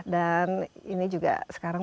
dan ini juga sekarang